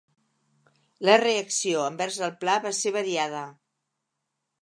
La reacció envers el pla va ser variada.